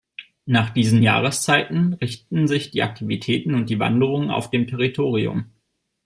Nach diesen Jahreszeiten richten sich die Aktivitäten und die Wanderungen auf dem Territorium.